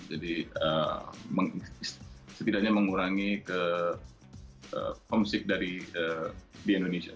jadi setidaknya mengurangi homesick di indonesia